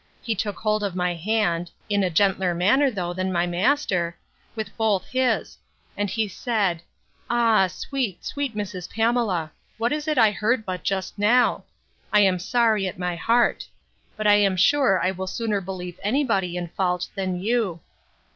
He took hold of my hand (in a gentler manner, though, than my master) with both his; and he said, Ah! sweet, sweet Mrs. Pamela! what is it I heard but just now!—I am sorry at my heart; but I am sure I will sooner believe any body in fault than you.